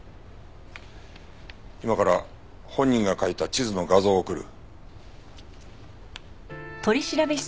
今から本人が描いた地図の画像を送る。